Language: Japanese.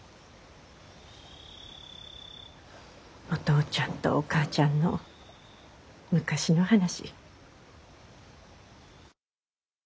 お父ちゃんとお母ちゃんの昔の話。